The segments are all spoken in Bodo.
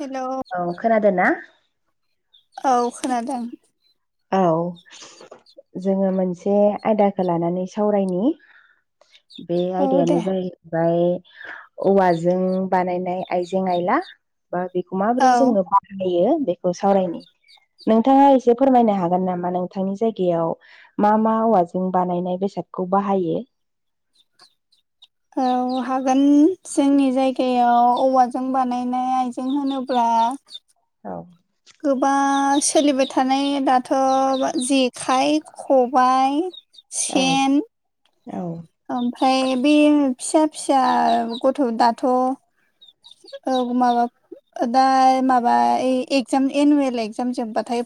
हेल' औ खोनादों ना? औ खोनादों। औ। जोङो मोनसे आयदाखौ लानानै सावरायनि। बे औ दे आयदायानो जाहैबाय औवाजों बानायनाय आइजें आयला। बा बेखौ औ माबोरै जोङो बाहायो बेखौ सावरायनि नोंथाङा एसे फोरमायनो हागोन नामा? नोंथांनि जायगायाव मा मा औवाजों बानायनाय बेसादखौ बाहायो। औ हागोन जोंनि जायगायाव औवाजों बानायनाय आइजें जें होनोब्ला औ। गोबां सोलिबाय थानाय दाथ' जेखाइ खबाय औ औ। ओमफ्राय बे फिसा फिसा गथ' दाथ' औ माबा दा माबा एक्जाम एनुयेल एक्जाम जोबबाथाय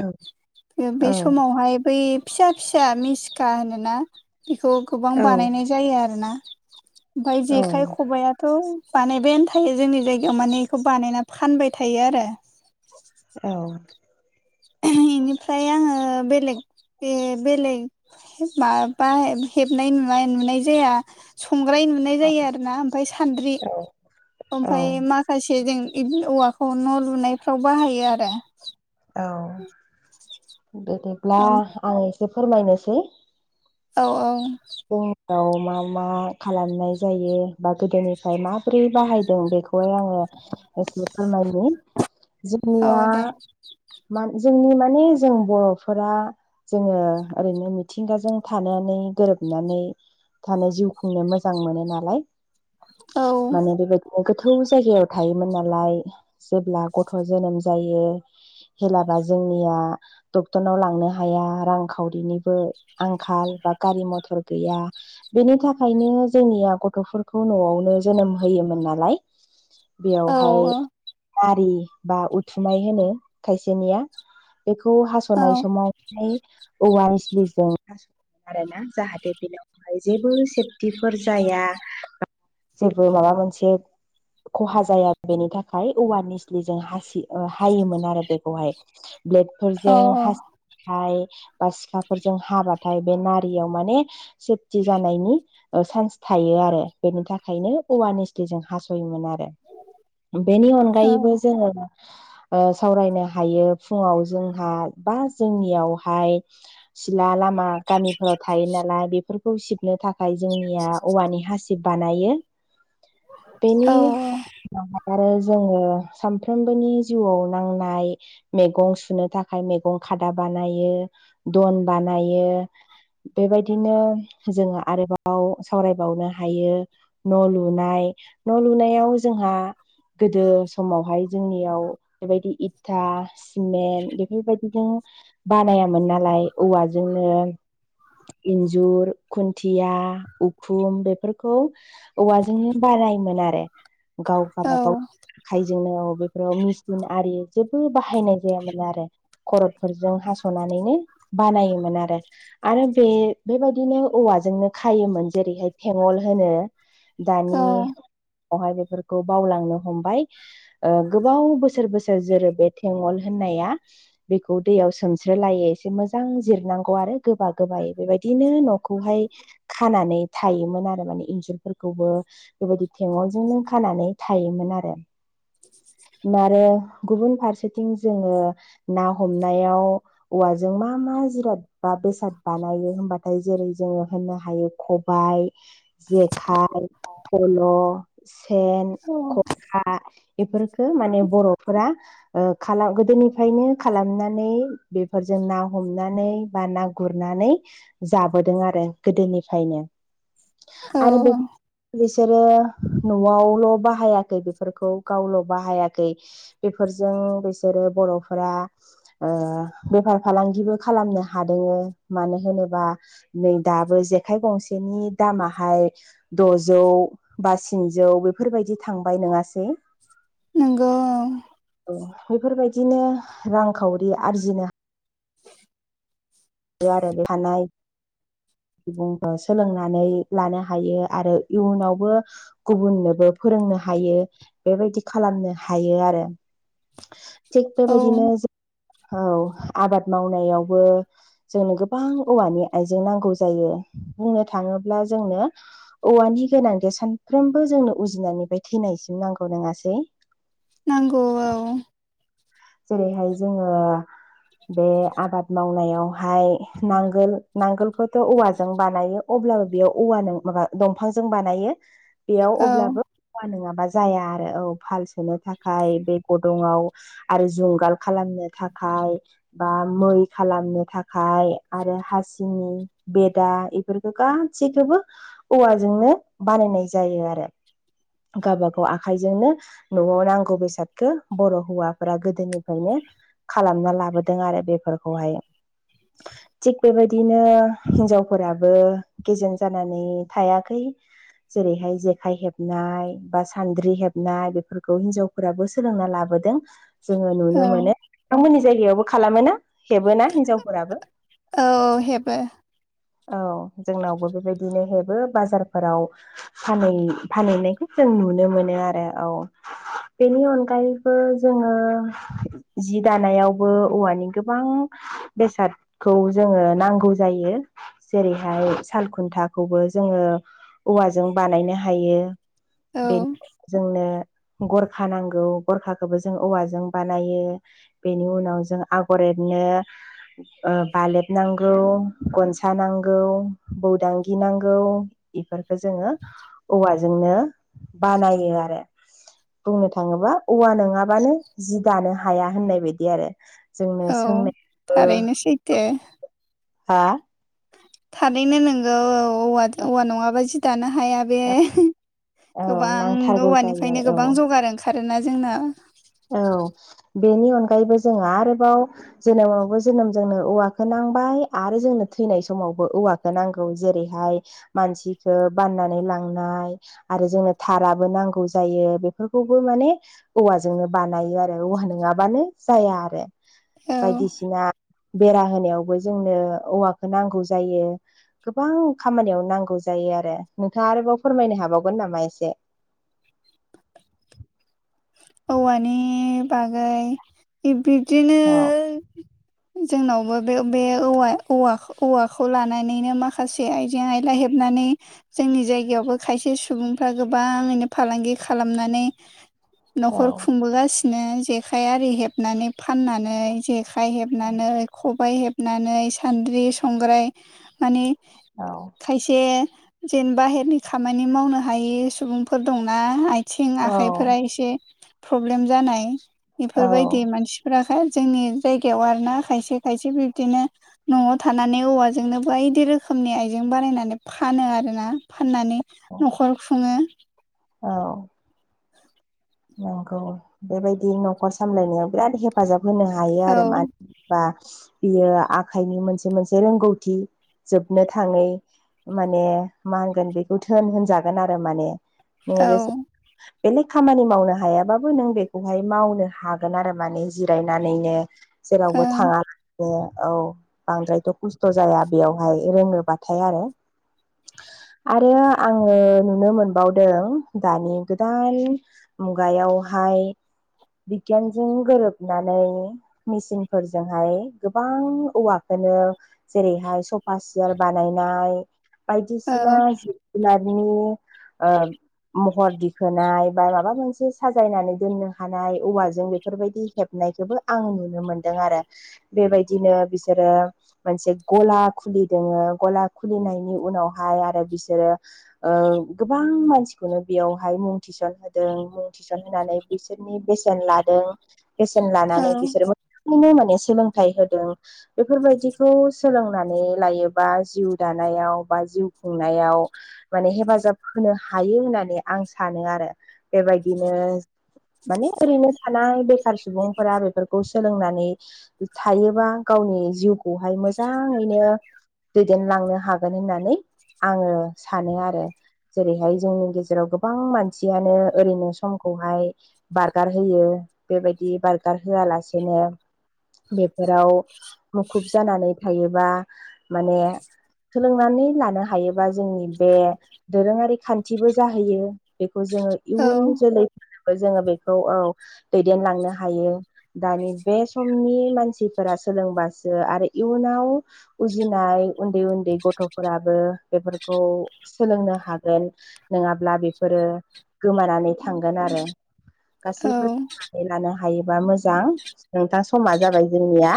औ बे औ समावहाय बै फिसा फिसा मिस्खा होनोना बेखौ गोबां औ बानायनाय औ जायो आरोना। ओमफफ्राय जेखाइ खबाइआ थ' बानायबायानो थायो जोंनि जायगायाव माने बेखौ बानायना फानबाय थायो आरो। औ। इनिफ्राय आङो बेलेग बे बेलेग माबा हेबनाय नुनाय नुनाय जाया। संग्राय नुनाय जायो आरो ना ओमफ्राय सान्द्रि औ औ ओमफफ्राय माख माखासे जों औवाखौ न' लुनायफ्राव बाहायो आरो। औ बिदिब्ला औ आं एसे फोरमायनोसै औ औ। जांनिआव मा मा खालामनाय जायो बा गोदोनिफ्राय माबोरै बाहायदों बेखौहाय आं एसे फोरमायनि औ जोंनिया दे जोंनि मानि जों बर'फोरा जोङो ओरैनो मिथिंगाजों थानानै गोरोब नानै थानो जिउ खुंनो मोजां मोनो नालाय। औ माने बेबायदि गोथौ जायगायाव थायोमोन नालाय जेब्ला गथ' जोनोम जायो। हेलाबा जोंनिया डक्टरनाव लांनो हाया रांखावरिनिबो आंखाल बा गारि मथर गैया बेनि थाखायनो जोंनिया गथ'फोरखौ न'आवनो जोनोम होयोमोन नालाय औ बेयावहाय आरि बा उथुमाय होनो खायसेनिया बेखौ औ हास'नाय समावहाय औवा इस्लिजों हास आरोना जाहाथे बेनावहाय जेबो सेफटिफोर जाया जेबो माबा मोनसे खहा जाया बेनि थाखाय औवार निस्लि जों हासि हायोमोन आरो बेखौहाय ब्लेड औ फोरजों हासबथाय बा सिखाफोरजों हाबाथाय बे नारियाव माने सेफति जानायनि सान्स थायो आरो बेनि थाखायनो अवारनेस्लि जों हास'योमोन आरो बेनि अनगायैबो जोङो सावरायनो हायो फुङाव जोंहा बा जोंनियावहाय सिला लामा गामिफोराव थायो नालाय बेफोरखौ सिबनो थाखाय जोंनिया औवानि हासिब बानायो बेनि आरो जोङो सानफ्रोमबोनि जिउआव नांनाय मैगं सुनो थाखाय मैगं खादा बानायो दन बानायो बेबायदिनो जोङो आरोबाव सावरायबावनो हायो न' लुनाय न' लुनायाव जोंहा गोदो समावहाय जोंनियाव बेबायदि इथा सिमेन्ट बेफोरबायदिजों बानायामोन नालाय औवाजोंनो इन्जुर खुन्थिया उखुम बेफोरखौ औवाजोंनो बारायोमोन आरो गाव औ गाबागाव आखाइजोंनो औ बेफोराव मेसिन आरि जेबो बाहायनाय जायामोन आरो खरदफोरजों हास'नानैनो बानायोमोन आरो आरो बे बेबायदिनो औवाजोंनो खायोमोन जेरैहाय थेगल होनो औ दानियावहाय बेफोरखौ बावलांनो हमबाय गोबाव बोसोर बोसोर जोरो बे थेंगल होननाया बेखौ दैयाव सोमस्र लाय एसे मोजां जिरनांगौ आरो गोबा गोबायै बेबायदि बिदिनो न'खौहाय खानानै थायोमोन आरो माने इन्जुरफोरखौबो बेबायदि थेगलजोंनो खानानै थायोमोन आरो आरो गुबुन फारसेथिं जोङो ना हमनायाव औवाजों मा मा जिराद बा बेसाद बानायो हबा दायो जेरै जोङो होननो हायो खबाइ जेखाइ फल' सेन खखा बेफोर खो माने बर'फोरा खालाम गोदोनिफ्रायनो खालामनानै बेफोरजों ना हमनानै बा ना गुरनानै जाबोदों आरो गोदोनिफ्रायनो आरो बे औ बिसोरो न'आवल' बाहायाखै बेफोरखौ गावल' बाहायाखै बेफोरजों बिसोरो बर'फोरा बेफार फालांगिबो खालामनो हादोंबो मानो होनोबा नै दाबो जेखाइ गंसेनि दामाहाय द'जौ बा स्निजौ बेफोरबायदि थांबाय नङासै नोंगौ औ औ बेफोरबायदिनो रांखावरि आरजिनो आरो बेखानाय सुबुंखौ सोलोंनानै लानो हायो आरो इयुनावबो गुबुननोबो फोरोंनो हायो बेबायदि खालामनो हायो आरो थिग औ बेबायदिनो जों औ आबाद मावनायावबो जोंनो गोबां औवानि आइजें नांगौ जायो बुंनो थाङोब्ला जोंनो औवानि गोनांथि सानफ्रोमबो जोंनो उजिनायनिफ्राय थैनायसिम नांगौ नङासै। नांगौ औ। जेरैहाय जोङो बे आबाद मावनायावहाय नांगोल नांगोलखौथ' औवाजों बानायो अब्लाबो बेयाव औवा नों माबा दंफांजों बानायो बेयाव औ अब्लाबो फवा नङाबा जाया आरो औ फाल सोनो थाखाय बे गदंआव आरो जुंगाल खालामनो थाखाय बा मै खालामनो थाखाय आरो हासिनि बेदा एफोरखौ गासैखौबो औवाजोंनो बानायनाय जायो आरो। गावबागाव आखाइजोंनो न'आव नांगौ बेसादखौ बर' हौवा फोर गोदोनिफ्रायनो खालामना लाबोदों आरो बेफोरखौहाय। थिग बेबायदिनो हिनजावफोराबो गेजें जानानै थायाखै जेरैहाय जेखाइ हेबनाय बा सान्द्रि हेबनाय बेफोरखौ हिनजाव फोराबो सोलोंना लाबोदों जोङो औ नुनो मोनो। नोंथमोननि जायगायावबो खालामोना? हेबो ना हिनजावफोराबो। औ हेबो औ जोंनावबो बेबायदिनो हेबो बाजारफोराव फानै फानहैनायखौ जों नुनो मोनो आरो औ। बेनि अनगायैबो जोङो ओ जि दानायावबो औवानि गोबां बेसाद खौ जोङो नांगौ जायो। जेरैहाय सालखुन्थाखौबो जोङो औवाजों बानायनो हायो। औ बेनि जोंनो गरखा नांगौ गरखाखौबो जों जों औवाजों बानायो बेनि उनाव जों आगर एरनो ओ बालेब नांगौ, गनसा नांगौ, बौदांगि नांगौ बेफोरखौ जोङो औवाजोंनो बानायो आरो। बुंनो थाङोबा औवा नङाबानो जि दानो हाया होननाय बायदि आरो। जोंनो औ सोंनायबो थारैनो सैथो हा थारैनो नोंगौ औ औ औवा औवा नङाबा जि दानो हाया बे औ गोबां नांथारगौ जायो औवानिफ्रायनो आरो औ गोबां जगार ओंखारोना जोंना। औ बेनि अनगायैबो जोङो आरोबाव जेनेबावबो जोनोम जोंनो औवाखौ नांबाय आरो जोंनो थैनाय समावबो औवा नांगौ जेरैहाय मानसिखौ बाननानै लांनाय आरो जोंनो थाराबो नांगौ जायो बेफोरखौबो माने औवा जोंनो बानायो आरो औवा नङाबानो जाया आरो औ बायदिसिना बेरा होनायावबो जोंनो औवाखौ नांगौ जायो गोबां खामानियाव नांगौ जायो आरो। नोंथाङा आरोबाव फोरमायनो हाबावगोन नामा एसे? औवानि बागै बिबदिनो औ जोंनावबो बे बे औवा औवाखौ औवा लानानैनो माखासे बे आइजें आइला हेबनानै जोंनि जायगायावबो खायसे सुबुंफ्रा गोबाङैनो फालांगि खालामनानै औ न'खर खुंबोगासिनो जेखाइ आरि हेबनानै फाननानै जेखाइ हेबनानै खबाइ हेबनानै सान्द्रि संग्राय माने औ खायसे जेन बाहेरनि खामानि मावनो हायि सुबुंफोर दंना आय थिं औ आखाइफोरा एसे प्रब्लेम जानाय औ बेफोरबायदि मानसि फुराख जोंनि जायगायाव आर ना खायसे खायसे बिबदिनो न'आव थानानै औवाजोंनो बायदि रोखोमनि आइजें बानायायनानै फानो आरोना फाननानै न'खर खुङो। औ नंगौ बेबायदि न'खर सामलायनायाव बिराद हेफाजाब होनो हायो औ आरो मा बा बियो आखाइनि मोनसे मोनसे रोंगौथि जोबनो थाङै माने मा होनगोन बेखौ धोन होनजागोन आरो माने। नोङो औ जेसे बेलेग खामानि मावनो हायाबाबो नों बेखौहाय मावनो हागोन आरो माने जिरायनानैनो। जेरावबो ओं थाङा बिदिनो औ बांद्रायथ' खस्थ' जाया बेयावहाय रोङोबाथाय आरो। आरो आङो नुनो मोनबावदों दानि गोदान मुगायावहाय बिगियानजों गोरोबनानै मेसिनफोरजोंहाय गोबां औवाखोनो जेरैहाय सफा सियार बानायनाय औ बायदिसिना जि जुनारनि ओ महर दिखोनाय बा माबा मोन एसे साजायनानै दोननो हानाय औवाजों बेफोरबायदि हेबनायखोबो आं नुनो मोनदों आरो। बेबायदिनो बिसोरो मोनसे गला खुलिदोङो गला खुलिनायनि उनावहाय आरो बिसोरो ओ गोबां मानसिखौनो बेयावहाय मुं थिसन होदों। टिउसन होनानै बिसोरनि बेसेन लादों बेसेन औ लानानै बिसोर बिदिनो माने सोलोंथाइ होदों बेफोरबायदिखौ सोलोंनानै लायोबा जिउ दानायाव बा जिउ खुंनायाव माने हेफाजाब होनो हायो होननानै आं सानो आरो बेबायदि बिदिनो माने ओरैनो थानाय बेखार सुबुंफोरा बेफोरखौ सोलोंनानै थायोबा गावनि जिउखौहाय मोजाङैनो दैदेनलांनो हागोन होननानै आङो सानो आरो। जेरैहाय जोंनि गेजेराव गोबां मानसियानो ओरैनो समखौहाय बारगार होयो बेबायदि बारगार होआलासेनो बेफोराव मुखुब जानानै थायोबा माने सोलोंनानै लानो हायोबा जोंनि बे दोरोङारि खान्थिबो जाहैयो। बेखौ जोङो औ इयुन जोलैफोरनोबो जोङो बेखौ औ दैदेनलांनो हायो। दानि बे समनि मानसिफोरा सोलोंबासो आरो इयुनाव उजिनाय उन्दै उन्दै गथ'फोराबो बेफोरखौ सोलोंनो हागोन। नोङाब्ला बेफोरो गोमानानै थांगोन आरो औ गासैबो लानो हायोबा मोजां, नोंथां समा जाबाय जोंनिया।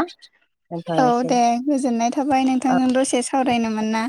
औ दोनथ'नोसै दे गोजोननाय थाबाय नोंथांजों दसे सावरायनो मोनना।